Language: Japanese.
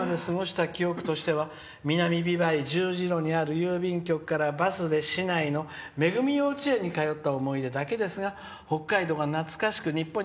「ほかには何もなく６歳まで過ごした記憶としては南美唄十字路にある郵便局からバスで市内のめぐみ幼稚園に通った思い出だけですが北海道が懐かしく